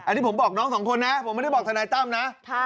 อันนี้ผมบอกน้องสองคนนะผมไม่ได้บอกทนายตั้มนะ